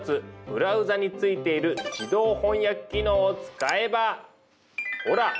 ブラウザについている自動翻訳機能を使えばほら。